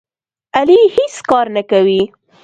علي هېڅ کار نه کوي.